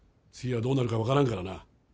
次はどうなるか分からんからな。